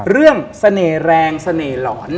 เรื่องเสน่ห์แรงเสน่ห์หลอน